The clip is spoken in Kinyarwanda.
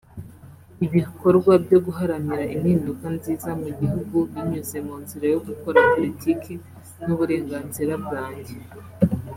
Ibikorwa byo guharanira impinduka nziza mu gihugu binyuze mu nzira yo gukora politiki ni uburenganzira bwanjye